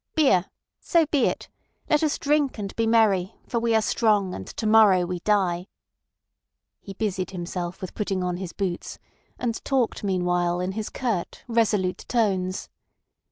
"Beer! So be it! Let us drink and be merry, for we are strong, and to morrow we die." He busied himself with putting on his boots, and talked meanwhile in his curt, resolute tones.